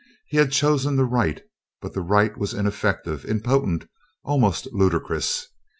He had chosen the Right but the Right was ineffective, impotent, almost ludicrous.